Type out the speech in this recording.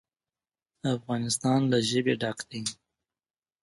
افغانستان له ژبې ډک دی.